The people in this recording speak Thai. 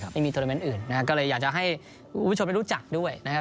ไม่มีโทรเมนต์อื่นนะครับก็เลยอยากจะให้คุณผู้ชมได้รู้จักด้วยนะครับ